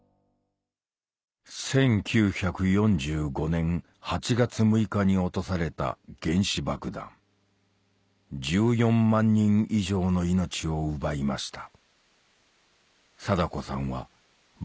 １９４５年８月６日に落とされた原子爆弾１４万人以上の命を奪いました